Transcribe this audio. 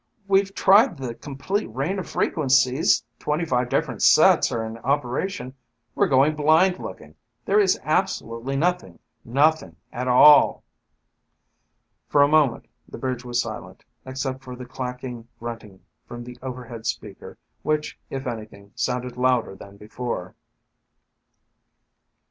We've tried the complete range of frequencies, twenty five different sets are in operation, we're going blind looking. There is absolutely nothing, nothing at all." For a moment the bridge was silent, except for the clacking grunting from the overhead speaker which, if anything, sounded louder than before.